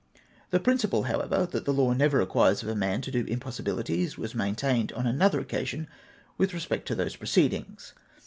The principle, however, that the law never requires of a man to do impossibilities w^as maintained on another occasion with respect to those proceedings.